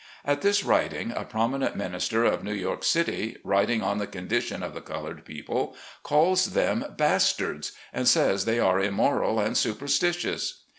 At this writing, a prominent minister of New York City, writing on the condition of the colored people, calls them bas tards, and says they are immoral and superstitious.